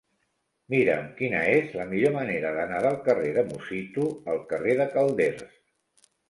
Mira'm quina és la millor manera d'anar del carrer de Musitu al carrer de Calders.